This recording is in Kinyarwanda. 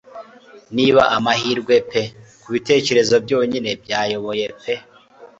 Niba amahirwe pe kubitekerezo byonyine byayoboye pe